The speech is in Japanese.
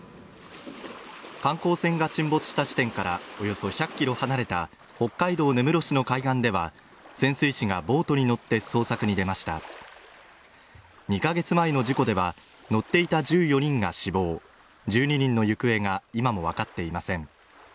観光船が沈没した地点からおよそ１００キロ離れた北海道根室市の海岸では潜水士がボートに乗って捜索に出ました２か月前の事故では乗っていた１４人が死亡１２人の行方が今も分かっていません